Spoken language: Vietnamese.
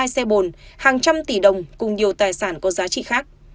hai mươi hai xe bồn hàng trăm tỷ đồng cùng nhiều tài sản có giá trị khác